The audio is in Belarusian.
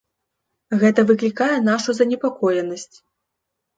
Гэта выклікае нашу занепакоенасць.